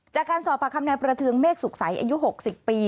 จากการสอบปากคำนายประเทืองเมฆสุขใสอายุ๖๐ปี